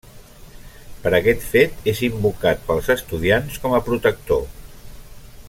Per aquest fet és invocat pels estudiants com a protector.